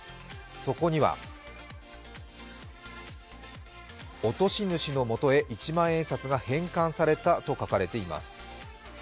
そこには落とし主の元へ一万円札が返還されたと書かれています。